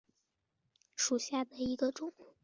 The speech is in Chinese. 美花隔距兰为兰科隔距兰属下的一个种。